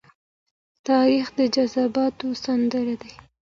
تاریخ د جذباتو سمندر دی.